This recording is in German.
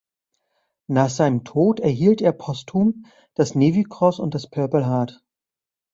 Nach seinem Tod erhielt er postum das Navy Cross und das Purple Heart.